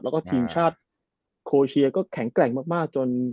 แล้วก็ทีมชาติโคเชียก็แข็งแกร่งมากจน